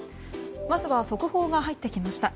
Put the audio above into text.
まずは速報が入ってきました。